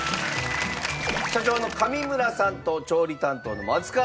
社長の上村さんと調理担当の松川さん